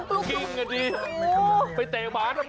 เมื่อกี้ผมเจอที่นี่แถวเขาก็เลยหลบ